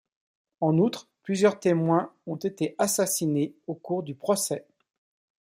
En outre, plusieurs témoins ont été assassinés au cours du procès.